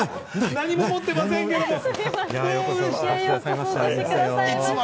何も持ってませんけれども、ようこそお越しくださいました。